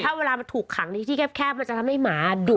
ถ้าเวลามันถูกขังในที่แคบมันจะทำให้หมาดุ